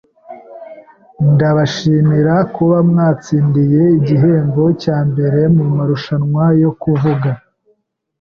Ndabashimira kuba mwatsindiye igihembo cya mbere mumarushanwa yo kuvuga.